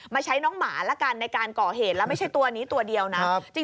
ใช้น้องหมาละกันในการก่อเหตุแล้วไม่ใช่ตัวนี้ตัวเดียวนะ